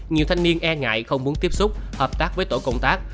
nhiều thanh niên e ngại không muốn tiếp xúc hợp tác với tổ công tác